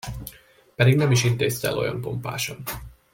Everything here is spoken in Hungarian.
Pedig nem is intézte el olyan pompásan.